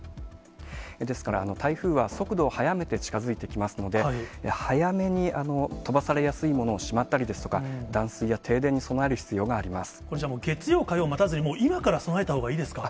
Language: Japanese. ですから、台風は速度を速めて近づいてきますので、早めに飛ばされやすいものをしまったりですとか、断水や停電に備月曜、火曜を待たずに今から備えたほうがいいですか。